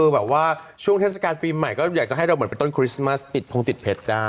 แบบว่าช่วงเทศกาลปีใหม่ก็อยากจะให้เราเหมือนเป็นต้นคริสต์มัสติดพงติดเพชรได้